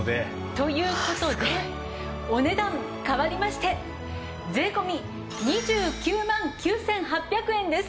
という事でお値段変わりまして税込２９万９８００円です。